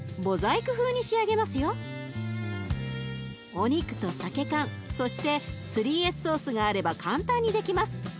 お肉とさけ缶そして３Ｓソースがあれば簡単にできます。